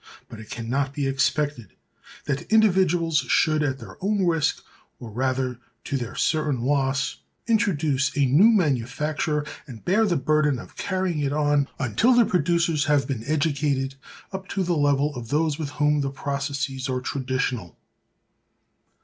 But it can not be expected that individuals should, at their own risk, or rather to their certain loss, introduce a new manufacture, and bear the burden of carrying it on, until the producers have been educated up to the level of those with whom the processes are traditional.